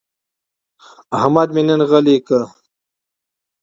احمد مې نن غلی کړ.